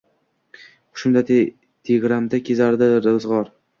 Hushimda, tegramda kezadi ro‘zg‘or